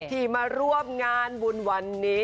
ที่มาร่วมงานบุญวันนี้